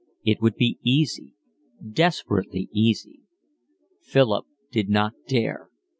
It would be easy, desperately easy. Philip did not dare.